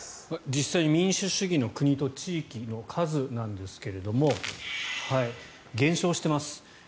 実際に民主主義の国と地域の数なんですが減少しています。